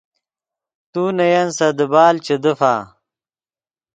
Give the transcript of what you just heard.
تو نے ین سے دیبال چے دیفا